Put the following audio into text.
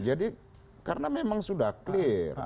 jadi karena memang sudah clear